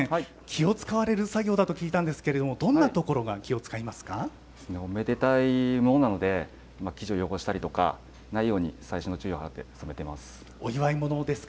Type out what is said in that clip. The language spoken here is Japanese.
気を使われる作業だと聞いたんですけれども、どんなところが気をおめでたいものなので、生地を汚したりとかないように、細心の注意を払って染めています。